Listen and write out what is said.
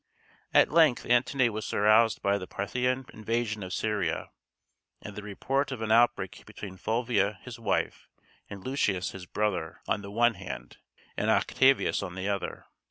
At length Antony was aroused by the Parthian invasion of Syria, and the report of an outbreak between Fulvia, his wife, and Lucius, his brother, on the one hand, and Octavius on the other.